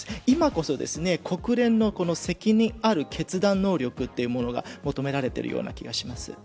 今こそ国連の責任ある決断能力というものが求められているような気がします。